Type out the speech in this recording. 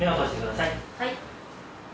はい。